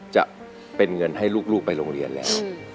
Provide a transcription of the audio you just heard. จะเป็นเงินให้ลูกไปโรงเรียนแล้ว